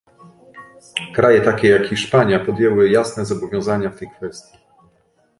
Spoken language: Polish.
Kraje takie jak Hiszpania podjęły jasne zobowiązania w tej kwestii